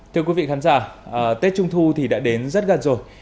thưa quý vị khán giả tết trung thu thì đã đến rất gần rồi